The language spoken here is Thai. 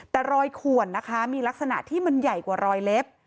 แต่รอยขวนนะคะมีลักษณะที่มันใหญ่กว่ารอยเล็บ